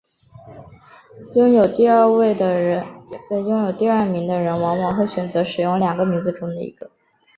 拥有第二名的人往往会选择使用两个名字中的一个。